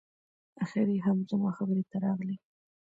اخیر هم زما خبرې ته راغلې